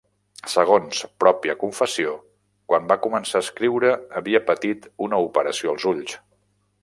Segons pròpia confessió quan va començar a escriure havia patit una operació als ulls.